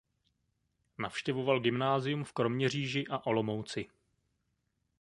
Navštěvoval gymnázium v Kroměříži a Olomouci.